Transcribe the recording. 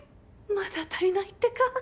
まだ足りないってか。